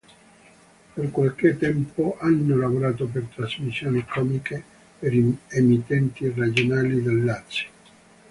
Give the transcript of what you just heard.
Per qualche tempo hanno lavorato per trasmissioni comiche per emittenti regionali del Lazio.